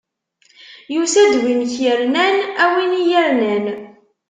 Yusa-d win k-irnan, a win i yi-irnan!